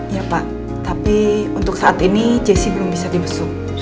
ya pak tapi untuk saat ini jessi belum bisa dibesuk